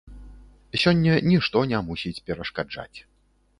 Сёння нішто не мусіць перашкаджаць.